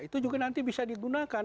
itu juga nanti bisa digunakan